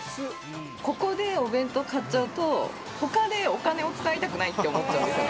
ここでお弁当買っちゃうと、ほかでお金を使いたくないと思っちゃうんですよね。